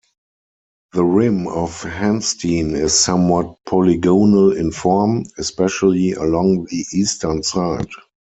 The rim of Hansteen is somewhat polygonal in form, especially along the eastern side.